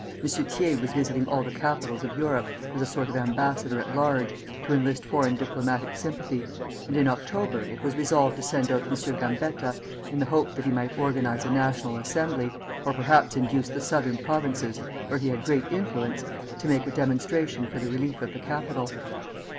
M. Thiers was visiting all the capitals of Europe, as a sort of ambassador at large, to enlist foreign diplomatic sympathy, and in October it was resolved to send out M. Gambetta, in the hope that he might organize a National Assembly, or perhaps induce the Southern Provinces (where he had great influence) to make a demonstration for the relief of the capital.